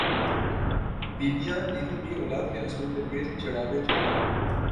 بیبیاں ادھر بھی اولاد کے حصول کےلئے چڑھاوا چڑھا کر